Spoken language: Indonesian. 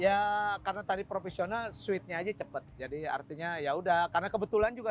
ya kalau tadi profesional suitea cepet jadi artinya ya udah karena kebetulan juga